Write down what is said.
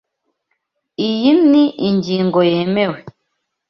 Iyi ni ingingo yemewe.